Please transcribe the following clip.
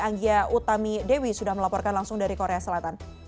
anggia utami dewi sudah melaporkan langsung dari korea selatan